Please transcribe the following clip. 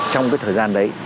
trong cái thời gian đấy